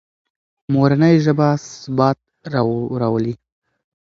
مورنۍ ژبه ثبات راولي.